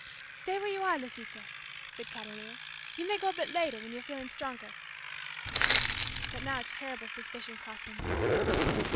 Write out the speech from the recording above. "Stay where you are, Lisita!" said Catalina. "You may go a bit later when you're feeling stronger." But now a terrible suspicion crossed my mind.